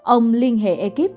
ông liên hệ ekip